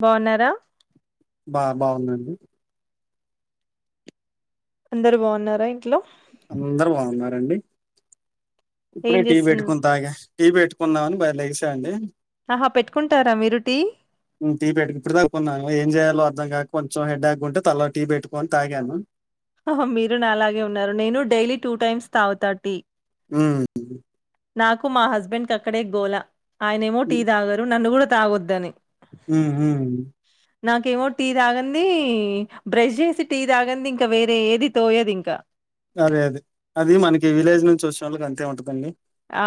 బావున్నారా? బా బాగున్న అండి. అందరు బావున్నారా ఇంట్లో? అందరు బాగున్నారండి. ఏం ఇప్పుడే టీ చేస్తున్ పెట్టుకొని తాగ టీ పెట్టుకుందామని బయలు లేస అండి. ఆహా పెట్టుకుంటారా మీరు టీ ఉమ్ టీ పెటకు ఇప్పుడు దాకా ఉన్నా ఏం చేయాలో అర్ద దయా కొంచెం హెడేక్ గా ఉంటే తలో టీ పెట్టుకొని తాగాను ఓహో మీరు నా అలాగే ఉన్నారు నేను డైలీ టూ టైమ్స్ తాగుతా టీ. ఉహ్ ఉమ్ నాకు మా హస్బెండ్ అక్కడే గోలా. ఆయన ఏమో టి ఉమ్ తాగరు నన్ను కూడా తాగొద్దని ఉమ్ ఉమ్ నాకు ఏమో టీ తాగంది, బ్రష్ చేసి టీ తాగంది ఇంక్ క వేరే ఏది తోయదు ఇంకా అదే అదే అది మనకి విలేజ్ నుంచి వచ్చిన వాళ్ళకి అంతే ఉంటదండి. ఆ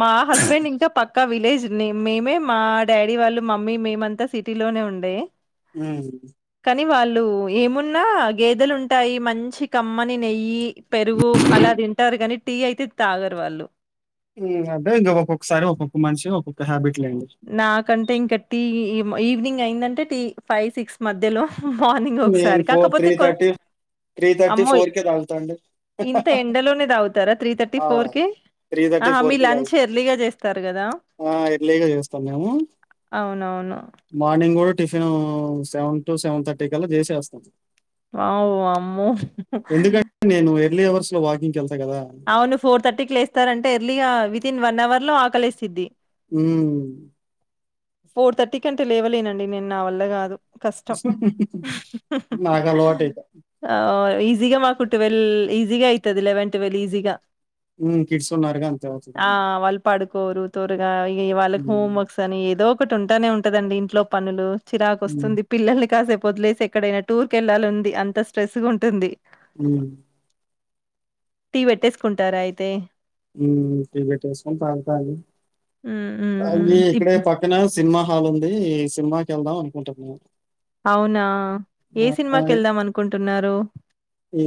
మా హస్బెండ్ ఇంకా పక్కా విలేజ్ [unintelligible] మేమే మా డాడీ వాళ్ళు మమ్మీ మేమంతా సిటీలోనే ఉండే ఉమ్ ఎ వాళ్ళు ఏమున్నా గేదెలుంటాయి మంచి కమ్మని నెయ్యి పెరుగు అలా తింటారు కాని టీ అయితే తాగరు వాళ్ళు [unintelligible] అదే ఒక్కొక్కసారి ఒక్కొక్క మనిషి ఒక్కొక్క హ్యాబిట్ లేండి నాకంటే ఇంకా టీ మై ఈవినింగ్ అయ్యింది అంటే టీ ఫైవ్ సిక్స్ మధ్యలో మార్నింగ్ నేను ఒకసారి ఫోర్ త్రీ కాకపోతే కొన్ థర్టీ త్రీ థర్టీ అమ్మాయ్, ఫోర్ కే తాగుతా అండి ఇంత ఎండలోనే తాగుతారా త్రీ థర్టీ ఆ ఫోర్ కే. త్రీ థర్టీ ఆహా ఫోర్ మీరు కే లంచ్ తాగుతా ఎర్లీగా చేస్తారు కదా? ఫంగారుము మోర్నీ ఇంకో tiffin seven to seven thirty కల్లా చేసేస్తాం అ వామ్మో లే అవర్స్‌లో వాకింగ్ అవును ఫోర్ థర్టీకి లేస్తారు అంటే ఎర్లీగా వి వితిన్ వన్ అవర్ లో ఆకలేసిద్ది హ్మ్మ్ ఫోర్ థర్టీ కంటే లేవలేనండి నేను నా వల్ల గాదు కష్టం నాకు అలవాటు ఇక ఆ ఈజీగా మాకు ట్వల్ ఈజీగా అవుతది లెవన్ ట్వల్ ఈజీగా ఉమ్, కిడ్స్ ఉన్నారుగా అంతే అవుతుంది ఆ వాళ్ళు పడుకోరు తోరగా ఇ వాళ్ళకి ఉమ్, హోమ్ వర్క్స్ అని ఏదో ఉంటానే ఉంటదండి ఇంట్లో పనులు చిరాకు ఉమ్, వస్తుంది పిల్లల్ని కాసేపు వదిలేసి ఎక్కడైనా టూర్ కెళ్ళాలని ఉంది అంత స్ట్రెస్ ఉంటుంది హ్మ్మ్ టీ పెట్టేసుకుంటారా అయితే టీ పేట్టేసుకుని తాగుతాంది హ్మ్. హ్మ్. హ్మ్. ఇప్ ఇక్కడే పక్కన సినిమా హాల్ ఉంది సినిమాకి వెళ్దాం అనుకుటుంది అవునా ఏ సినిమాకి వెళ్దాం అనుకుంటున్నారు రు ఈ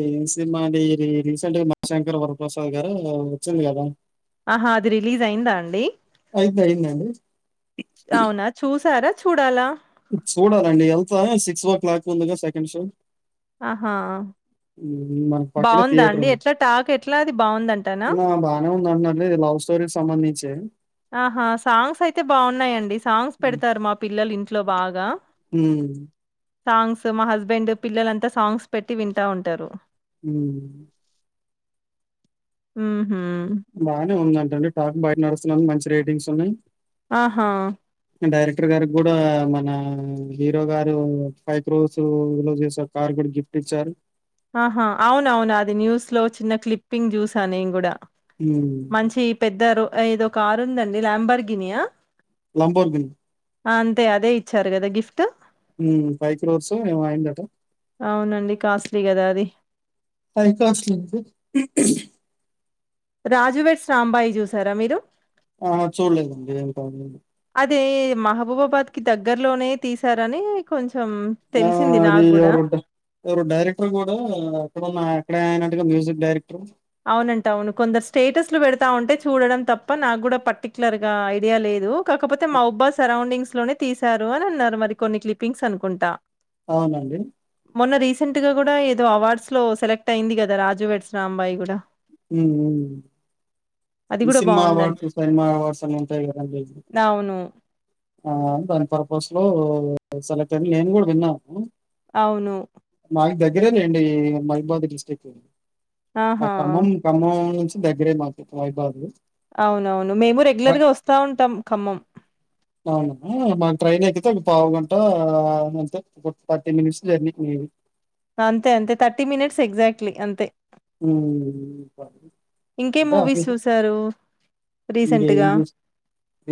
ప్రసాద్ గారు వచ్చింది కదా ఆహా అది రిలీజ్ అయిందా అండి అయితే అయిందండి అవునా చూసారా చూడాల చూడాలండి వెళ్తా సిక్స్ ఓ క్లాక్ ముందుగా సెకండ్ షో ఆహా మన పక్కనే బావుందా థియేటర్ అండి? ఉంది ఎట్లా టాక్ ఎట్లా అది బావుందంటానా? ఉన్న బాగానే ఉంది అన్నట్టు లవ్ స్టోరీకి సంబంధించి ఆహా సాంగ్స్ అయితే బాగున్నాయండి సాంగ్స్ పెడతారు మా పిల్లలు ఇంట్లో బా ఆగా హ సాంగ్స్ మా హస్బెండ్ పిల్లలంతా సాంగ్స్ పెట్టి వింటా ఉంటారు హ ఆ బాగానే ఉందంటండి టాక్ బయట నడుస్తు మంచి రేటింగ్స్ ఉన్నాయి ఆహా డైరెక్టర్ గారి కూడా మన హీరో గారు ఫైవ్ క్రోస్ లో చేసే కార్ కూడా గిఫ్ట్ ఇచ్చారు ఆహా! అవునవును. అది న్యూస్‌లో చిన్న క్లిప్పింగ్ జూసా నేను కూడా హ్మ్ మంచి పెద్దారు ఏదో ఒక కారు ఉందండి ల్యాంబర్గనియా లంబార్ఘిని అంతే కదా ఇచ్చారు కదా గిఫ్ట్ మ్మ్ ఫైవ్ క్రోర్స్ ఏమో అయిందట దాది high class look Raju weds Rambai చూసారా మీరు. ఆహ చూడలేదండి ఇంకాను అదే మహబూబాబాద్ కి దగ్గరలోనే తీసారని కొంచె ఆ అది ఎవరు ఎవరు డైరెక్టర్ కూడ అప్పల నాయి ఇక్కడ అయినట్టుగా మ్యూజీక్ డైరెక్టర్ అవునంట అవును. కొందరు స్టేటస్లు పెడతా ఉంటే చూడడం తప్ప నాకు కూడా పర్టిక్యులర్ గా ఐడియా లేదు కాకపోతే మహుబ్బ సరౌండింగ్స్ లోనే తీసారు అని అన్నారు మరి కొన్ని క్లిపింగ్స్ అనుకుంటా అవునండి మొన్న రీసెంట్ గా కూడా ఏదో అవార్డ్స్లో సెలెక్ట్ అయింది కదా రాజు వెడ్స్ రాంబాయి కూ డ మ్మ్ అది గూడా సినిమా బావుందంట. అవార్డ్స్, సైమా అవార్డ్స్ అన్ని ఉంటాయి కదండి హ్మ్. అవును. ఆ దాని పర ఫస్ లో సెలెక్ట్ అని నేను కూడా విన్నా అవును గ్గరే నండి మహబాద్ డిస్టిక్ట్ ఆహా కమం కమ ఖమ్మం ఖమ్మం నుంచి దగ్గరే మాకు మహాభాదు అవునవును మేము రెగ్యులర్ గా వస్తా ఉంటాం ఖమ్మం అవున మాకు ట్రైన్ ఎక్కితే ఒక పావు గంట అంతే థర్టీ మినిట్స్ జర్నీ అంతే అంతే థర్టీ మినిట్స్ ఎగ్జాక్ట్లీ అంతే మ్మ్ ఇంకే మూవీస్ చూసారు ఇంకేం రీసెంట్గా చూసి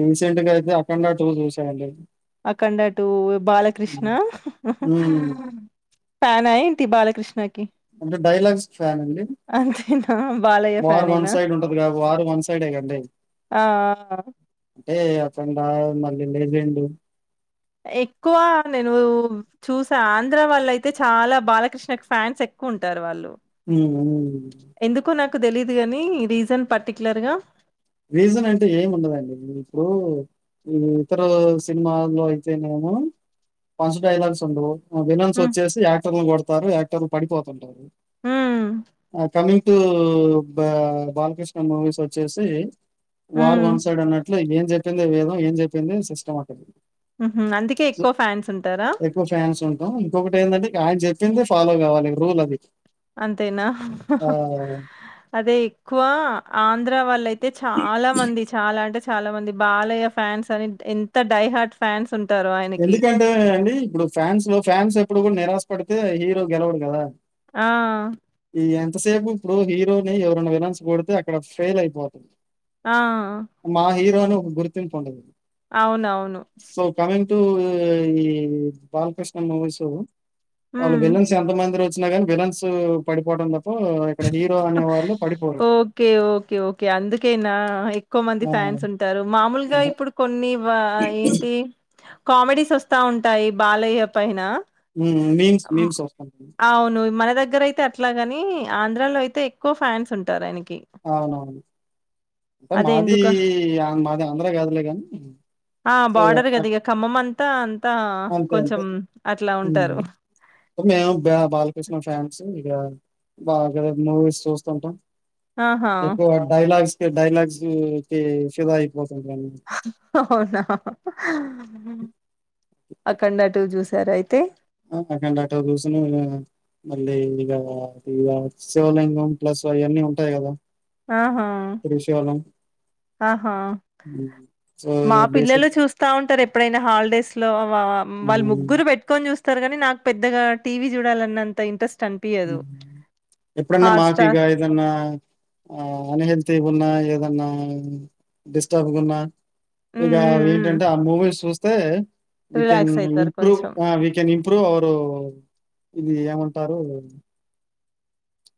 రీసెంట్ గా అయితే అఖండ టూ చూసానండి అఖండ టూ బాలకృష్ణ ఉమ్. ఉమ్. ఫ్యానా ఏంటి బాలకృష్ణ అంటే డైలాగ్స్ కి ఫ్యాన్ అండి అంతేనా బాలయ్య వార్ వన్ ఫ్యానేనా? సైడ్ ఉంటది వారు వన్ సైడే గా అండి ఆ! అంటే అఖండ [unintelligible] లెజెండు ఎక్కువ నేను చూసా ఆంధ్ర వాళ్ళు అయితే చాలా బాలకృష్ణ కు ఫ్యాన్స్ ఎక్కువ ఉంటారు వాళ్ళు మ్మ్ మ్మ్ కు తెలిదు గాని రీజన్ పర్టిక్యలర్ గా రీజన్ అంటే ఏమి ఉండదండి ఇప్పుడు ఈ ఇతర సినిమాల్లో అయితేనేమో పంచ్ డైలాగ్స్ ఉండవు. విలన్స్ హ్మ్. వచ్చేసి యాక్టర్లను కోడు వాళ్ళు యాక్టర్ పడిపోతుంటారు. హ్మ్. ఆ కాని ఇటు బ బాలకృష్ణ మూవీస్ వచ్చేసి వార్ హ్మ్. వన్ సైడ్ అన్నట్లు ఏం చెప్పింది వేదం ఏం చెప్పింది సిస్టమాటిక్, ఊహు అందుకే ఎక్కువ ఫ్యాన్స్ ఉంటారా, ఇంకొకటి ఏందింటే ఆయన చెప్పింది ఫాలో కావాలి రూల్ అది. అంతేనా ఆహ్, అదే ఎక్కువా ఆంధ్ర వాళ్ళ అ అయితే చాలా మంది చాలా అంటే చా చాలా మంది బాలయ్య ఫ్యాన్స్ అని ఎంత డై హార్ట్ ఫ్యాన్స్ ఉంటారో ఆయనకి. ఎందుకంటే ఆండీ ఇప్పుడు ఫ్యాన్స్ లో ఫ్యాన్స్ ఎప్పుడు గూడ నిరాశపడితే హీరో గెలవడు కదా ఆ ఈ ఎంతసేపు ఇప్పుడు హీరోని ఎవరైనా విలన్స్ కొడితే అక్కడ ఫెయిల్ అయిపోతుంది ఆ మా హీరో అని ఒక గుర్తింపు ఉండదు అవునవును ఇఈ బాలకృష్ణ మూవీసు వాళ్ళు హ్మ్. విలన్స్ ఎంత మంది రా వచ్చిన కాని విలన్స్ పడిపోవడం త ఓకే ఓకే ఓకే అందుకేనా ఎక్కువ మంది ఆ! ఫ్యాన్స్ ఉంటారు మామూలుగా అంటే ఇప్పుడు కొన్ని ఏంటి కామెడీస్ వస్తుంటాయి బాలయ్య పైన హ్మ్. మీమ్స్, మీమ్స్ వస్తుంటాయి. అవును మన దగ్గర అయితే అ అట్లాగని ఆంధ్రాలో అయితే ఎక్కువ ఫ్యాన్స్ ఉంటారు ఆయనకి అవునవును అంటే అదే మాది ఎందుక మాది ఆంధ్ర కాదులే కానీ ఆ! సో బార్డర్ గదా! ఇగ ఖమ్మం అంతా, అంతా అంతే అంతే కొంచెం అట్లా ఉంటారు. హు మేము బాలకృష్ణ ఫ్యాన్ ఇగ బాగా మూవీస్ చూస్తుంటాం ఆహా! ఎక్కువ డైలాగ్స్ డైలగ్స్ కి ఫిదా అయి అవునా అఖండ టూ చూసారా అయితే ఆ అఖండ టూ చూసును మళ్ళీ ఇగ ఇగ శివలింగం ప్లస్ అయన్నీ ఉంటాయి కదా ఆ త్రిశూలం హా సో మా పిల్లలు బేసిక్ చూస్తావుంటారు ఎప్పుడైనా హాలిడేస్ లో వా వాళ్ళు ముగ్గురు పెట్టుకొని చూస్త స్తారుగాని నాకు పెద్దగా టీవీ చూడాలన్నంత ఇంట్రెస్ట్ అనిపియదు. హమ్ ఎప్పుడన్న హాట్‌స్టార్ మాకిగా ఏదన్నా ఆ అనే వున్న ఏదన్నా డిస్టబ్ గున్నా ఇగ హ్మ్. హ్మ్. హ్మ్. ఏంటంటే ఆ మూవీస్ చూస్త తే వి కన్ రిలాక్స్ అయితారు ఇంప్రూవ్ కొంచెం. ఆ వి కెన్ ఇంప్రూవ్ అవర్ ఇప్పుడు ఇది ఏమంటారు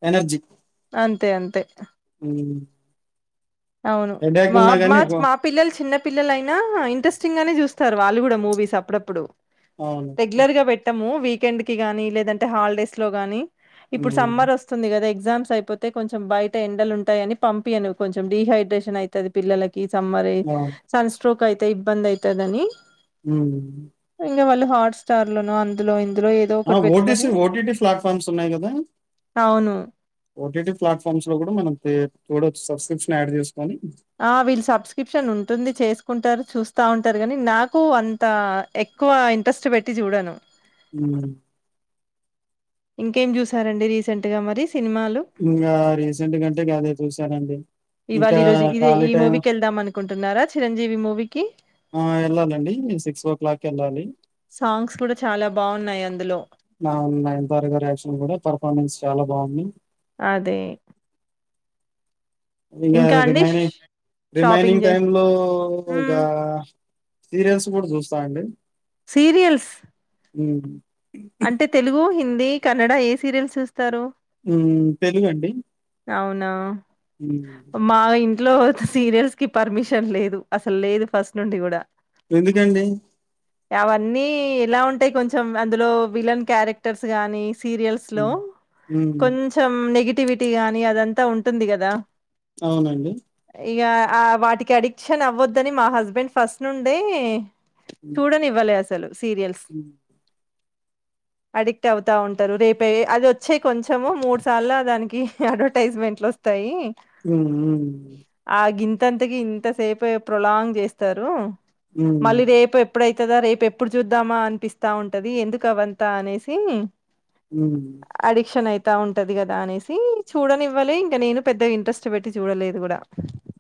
ఎనర్జీ అంతే అంతే ఉ అవును మా మా మా పిల్లలు చిన్న పిల్లలయినా ఇంట్రెస్టింగ్ గానే చూస్తారు వాళ్ళు కూడా మూవీస్ అప్పుడప్పుడు అవును రెగ్యులర్ గా పెట్టము వీకెండ్ కి కానీ లేదంటే హాలిడేస్ లోగానీ ఇప్పుడు హ్మ్. సమ్మర్ వస్తుంది కదా ఎ ఎగ్జామ్స్ అయిపోతే కొంచెం బయట ఎండలు ఉంటాయని పంపియ ను కొంచెం డిహైడ్రేషన్ అయితది పిల్లల కి సమ్మరి అవును. సన్స్ట్రోక్ అయితే ఇబ్బంది అయితదని హు వాళ్ళు హాట్ స్టార్ ల నో అందులో ఇందులో ఏదో ఆ ఒకటి ఓటీసి పెట్టుకొని ఓటీటి ప్లాట్ఫార్మ్స్ ఉన్నాయి కదా అవును. ఓటీటీ ప్లాట్ఫామ్స్ లో కూడా మనో సబ్స్క్రిప్షన్ యాడ్ చే ఆ వీళ్ళు సబ్స్క్రిప్షన్ ఉంటుంది చేసుకుంటారు చూస్ స్తా ఉంటరు గని నాకు అంత ఎక్కువ ఇంట్రెస్ట్ పెట్టి చూడను ఉ ఇంకేం చూసారండి రీసెంట్ గా మరి సినిమాలు? ఇంకా రీసెంట్ కంటే కదే చూసానండి ఇవాళ, ఇంకా ఈరోజు ఇదే ఖాళీ ఈ టైం మూవీకెళ్దాం అనుకుంటున్నారా 'చిరంజీవి' మూవీకి? ఆ వెళ్ళాలండి సిక్స్ ఓ క్లాక్ ఎళ్ళాలి సాంగ్స్ కూడా చాలా బాగున్నాయి అందులో నా ఉ నయనతార యాక్షన్ కూడా పర్ఫార్మెన్స్ చాలా బాగుంది అదే ఇగ ఇంకా అండి ష్ రిమైనింగ్ షాపింగ్ రిమైనింగ్ చేసి టైమ్ లో ఇగ మ్మ్ సీరియల్స్ కూడా చూస్తా అండి సీరియల్స్ ఉ అంటే తెలుగు హిం ది కన్నడ ఏ సీరియల్స్ చూస్తారు మ్మ్ తెలుగండి అవునా హ్మ్. మాగా ఇ ట్లో సీరియల్స్ కి పర్మిషన్ లేదు అసలు లేదు ఫస్ట్ నుండి కూడా ఎందుకండి అవన్నీ ఎలా ఉంటాయి కొంచెం అందులో విలన్ క్యారెక్టర్స్ గాని సీరియల్స్ లో హ్మ్. హ్మ్. కొంచెం నెగిటి ఎక్టివిటీ గాని అదంతా ఉంటుంది కదా అవునండి ఇక ఆ వాటికి అడిక్షన్ అవ్వద్దని మా హస్బెండ్ ఫస్ట్ నుండి హ్మ్ చూడ నివ్వలే అసలు సీరియల్స్ అడిక్ట్ అవుతా ఉంటారు రేప అది వచ్చే కొంచెము మూడు సార్లు దానికి అడ్వర్టైజ్మెంట్లు వస్తాయి హ్మ్ మ్మ్ ఇంతంతకి ఇంతసేపు ప్రొలాంగ్ చేస్తారు మళ్ళీ హ్మ్ రేపు ఎప్ ప్పుడైతాదా రేపు ఎప్పుడు చూద్దామా అనిపిస్తా ఉంటది ఎందుకు కవంత అనేసి మ్మ్ తా ఉంటది కదా అనేసి చూడనివ్వలే ఇంకా నేను పెద్ద ఇంట్రెస్ట్ పెట్టి చూడలేదు కూడా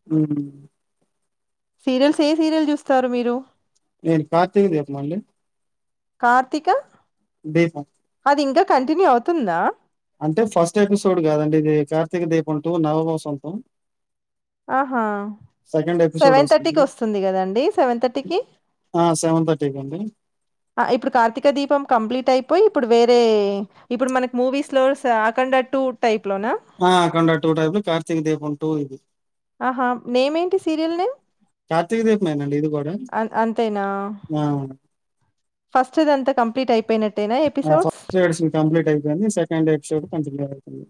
హ్మ్ సీరియల్స్ ఏ సీరియల్ చూస్తారు మీరు నేను కార్తీక దీపం అండి కార్తిక బేఫా అది ఇంకా కంటిన్యూ అవుతుందా అంటే ఫస్ట్ ఎపిసోడ్ కాదండి ఇది కార్తీక దీపం టూ నవవసంతం ఆహా సెకండ్ ఎపిసోడ్ సెవెన్ థర్టీకి వస్తుంది కదండి సెవెన్ థర్టీకి ఆ! అండి. ఇప్పుడు కార్తీక దీపం కంప్లీట్ అయిపోయి ఇప్పుడు వేరే ఇప్పుడు మనకి మూవీస్ లో అకం టటు టైప్ లో ఆ అకండా టూ టైప్లో కార్తీక దేపం టూ ఇది ఆహా నేమేంటి సీరియల్ నేమ్ కార్తక దీపమేనండి ఇదికూ అన్ ఆ అంతేనా ఫస్టుధాంతా కంప్లీట్ అయిపోయినట్ ఆ ఫస్ట్ ఎడ్ కంప్లీట్ అయిపోయింది సెకండ్ ఎపిసోడ్ కొంచెం [unintelligible] అవుతుంది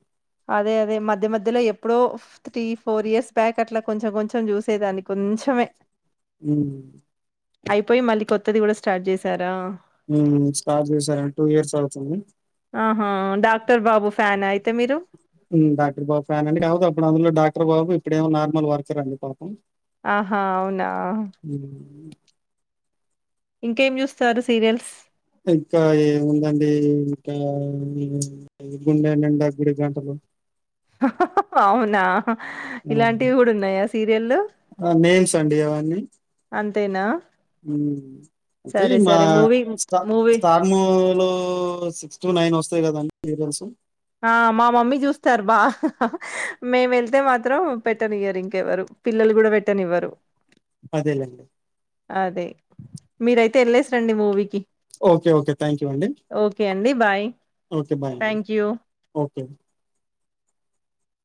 అదే అదే మధ్య మధ్యలో ఎప్పుడో త్రీ ఫోర్ ఇయర్స్ బ్యాక్ అట్లా ట్ల కొంచెం కొంచెం చూసేదాన్ని కొంచమే అ అయిపోయి మళ్ళీ కొత్తది కూడా స్టార్ట్ చేసారా స్టార్ట్ చేసార టూ ఇయర్స్ అవుతుంది ఆహా! 'డాక్టర్ బాబు' ఫ్యానా అయితే మీరు డాక్టర్ బాబు ఫ్యాన్ అండి కాదు అప్పుడు అందులో డాక్టర్ బాబు ఇప్పుడమో నార్మల్ వర్కర్ అండి పాపం ఆహా అవునా హ్మ్. ఇంకేం జూస్తారు సీరియల్స్? ఇంకా ఏముందండి హ గుండె నిండా గుడి గంటలు అహ అహ అవునా ఇలాంటివి కూడా ఉన్నాయి సార్ నేమ్స్ అండి అవన్నీ అంతేనా? అంటే సరే మా సరే మూవీ స్ట మూవీ స్టార్మలో సిక్స్ టూ నైన్ వస్తాయి కదా అండి మీకు తెలుసు ఆ మా మమ్మీ చూస్తారు బాగా మేము వెళ్తే మాత్రం పెట్టని ఇవ్వరు ఇంకెవ్వరు పిల్లలు కూడా పెట్టని ఇవ్వరు అదేలేండి మీరయితే వెళ్ళసి రండి మూవీకి ఓకే ఓకే థ్యాంక్ యూ అండి ఓకే అండి bye okay bye thank you okay